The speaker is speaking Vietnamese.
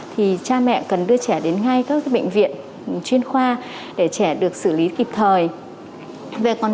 thì cha mẹ cần đưa trẻ đến ngay các bệnh viện chuyên khoa để trẻ được xử lý kịp thời